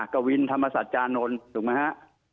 กะวินธรรมศัษย์จานนท์ถูกมั้ยฮะ